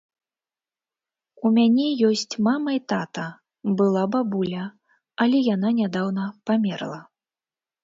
У мяне ёсць мама і тата, была бабуля, але яна нядаўна памерла.